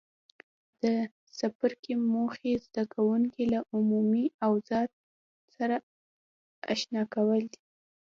د څپرکي موخې زده کوونکي له عمومي اوضاع سره آشنا کول دي.